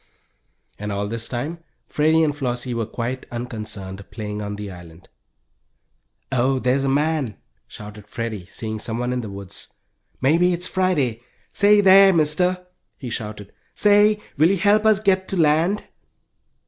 And all this time Freddie and Flossie were quite unconcerned playing on the island. "Oh, there's a man!" shouted Freddie, seeing someone in the woods. "Maybe it's Friday. Say there, Mister!" he shouted. "Say, will you help us get to land?"